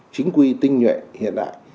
chính quy tinh nhuệ hiện đại